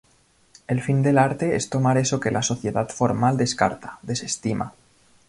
El fin del arte es tomar eso que la sociedad formal descarta, desestima.